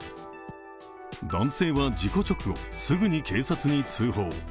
男性は事故直後すぐに警察に通報。